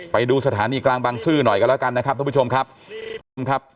ไปดูสถานีกลางบางซื่อหน่อยกันแล้วกันนะครับทุกผู้ชมครับ